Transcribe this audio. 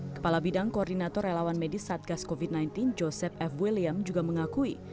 kepala bidang koordinator relawan medis satgas covid sembilan belas joseph f william juga mengakui